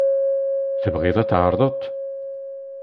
Tebɣiḍ ad tɛerḍeḍ-t?